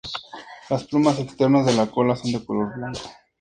Las plumas externas de la cola son de color blanco.